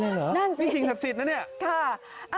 คือโดนกรามากไปแล้วใครกล้าเลขแม่น้ำหนึ่งว่าอีเลยเหรอ